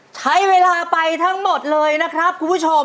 ใช้เวลาไปทั้งหมดเลยนะครับคุณผู้ชม